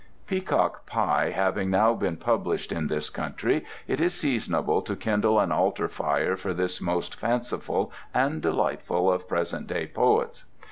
"Peacock Pie" having now been published in this country it is seasonable to kindle an altar fire for this most fanciful and delightful of present day poets.